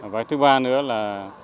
và thứ ba nữa là